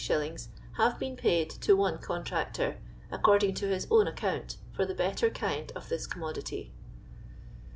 h»ve been paid to one contractor, according to his own ac count, for the better kind of this commodity.